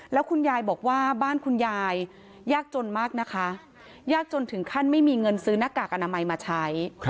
แล้วคุณยายบอกว่าบ้านคุณยายยากจนมากนะคะยากจนถึงขั้นไม่มีเงินซื้อหน้ากากอนามัยมาใช้